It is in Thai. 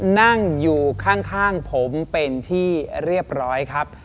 นั่งอยู่ข้างผมเป็นที่เรียบร้อยครับ